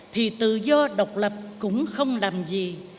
thì tự do độc lập cũng không làm gì